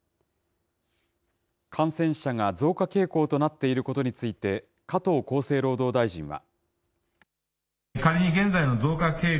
感染者が増加傾向となっていることについて、加藤厚生労働大臣は。